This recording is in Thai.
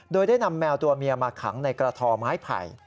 โดยได้นำแมวตัวเมียมาขังในกระทอไม้ไผ่